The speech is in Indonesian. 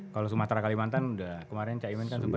kalau sumatera kalimantan udah kemarin cak iman kan sempat menyebut